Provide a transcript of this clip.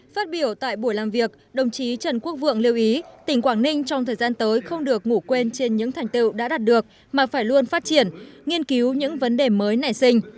phát biểu tại buổi làm việc đồng chí trần quốc vượng lưu ý tỉnh quảng ninh trong thời gian tới không được ngủ quên trên những thành tựu đã đạt được mà phải luôn phát triển nghiên cứu những vấn đề mới nảy sinh